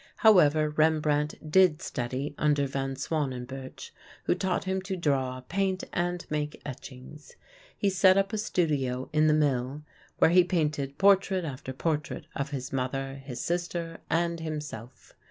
However, Rembrandt did study under Van Swanenburch, who taught him to draw, paint, and make etchings. He set up a studio in the mill, where he painted portrait after portrait of his mother, his sister, and himself.